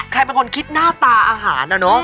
ใครเป็นคนคิดหน้าตาอาหารนะเนอะ